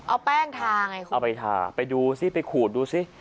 เอาแป้งทาไงคุณเอาไปทาไปดูซิไปขูดดูสิ